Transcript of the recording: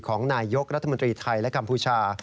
ของนายยกรัฐมนตรีไทยและกัมพูชา